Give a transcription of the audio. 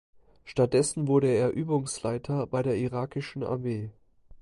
Stattdessen wurde er Übungsleiter bei der irakischen Armee.